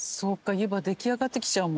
湯葉出来上がってきちゃうもんね。